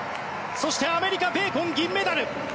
そしてアメリカ、ベーコン銀メダル。